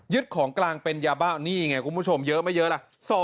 ของกลางเป็นยาบ้านี่ไงคุณผู้ชมเยอะไม่เยอะล่ะ